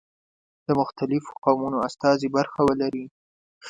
د مختلفو قومونو استازي برخه ولري.